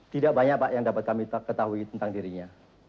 tidak banyak pak yang dapat kami ketahui tentang dirinya